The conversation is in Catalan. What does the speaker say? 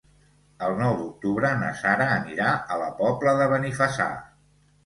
El nou d'octubre na Sara anirà a la Pobla de Benifassà.